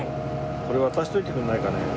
これ渡しといてくれないかね。